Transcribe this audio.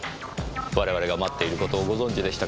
我々が待っている事をご存じでしたか。